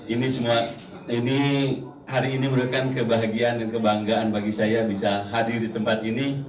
ini semua ini hari ini memberikan kebahagiaan dan kebanggaan bagi saya bisa hadir di tempat ini